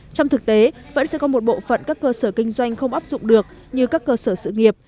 trong thực tế vẫn sẽ có một bộ phận các cơ sở kinh doanh không áp dụng được như các cơ sở sự nghiệp